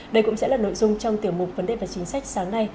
đây cũng sẽ là nội dung trong tiểu mục vấn đề và chính sách sáng nay